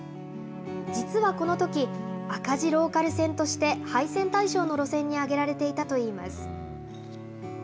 実はこのとき、赤字ローカル線として廃線対象の路線に挙げられていたといいます。